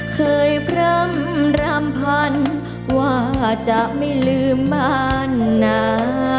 พร่ำรำพันว่าจะไม่ลืมบ้านหนา